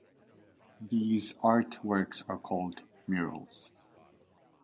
These art works are called "murals".